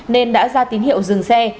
nên đã ra tín hiệu dừng xe